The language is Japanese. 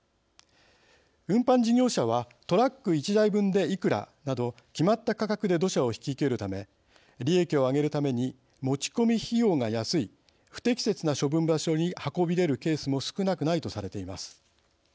運搬事業者はトラック１台分でいくらなど決まった価格で土砂を引き受けるため利益を上げるために持ち込み費用が安い不適切な処分場所に運び入れるケースも少なくないとされています。